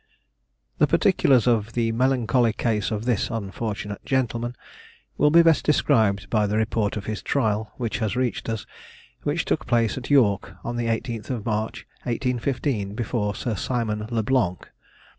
The particulars of the melancholy case of this unfortunate gentleman, will be best described by the report of his trial which has reached us, which took place at York on the 18th March 1815, before Sir Simon Le Blanc.